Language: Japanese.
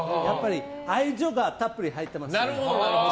愛情がたっぷり入っています。